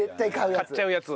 買っちゃうやつ。